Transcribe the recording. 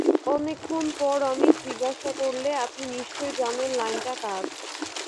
অনেকক্ষণ পরে অমিত জিজ্ঞাসা করলে, আপনি নিশ্চয় জানেন লাইনটা কার।